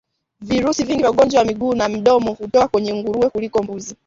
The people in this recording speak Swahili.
Virusi vingi vya ugonjwa wa miguu na midomo hutoka kwenye nguruwe kuliko mbuzi